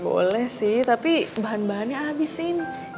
boleh sih tapi bahan bahannya abis sih ini